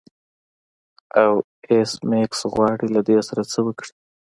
او ایس میکس غواړي له دې سره څه وکړي